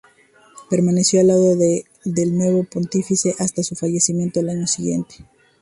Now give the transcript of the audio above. Permaneció al lado del nuevo pontífice hasta su fallecimiento al año siguiente.